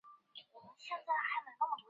纽约红牛卡达斯国民体育会